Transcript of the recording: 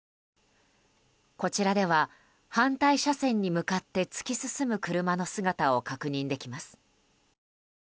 こちらでは、反対車線に向かって突き進む車の姿を確認できます。